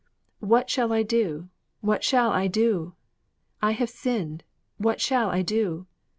'What shall I do? What shall I do?' '_I have sinned; what shall I do?